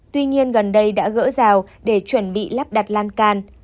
tuy nhiên gần đây đã gỡ rào để chuẩn bị lắp đặt lan can